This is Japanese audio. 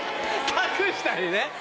隠したりね。